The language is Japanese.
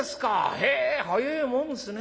へえ早えもんですね。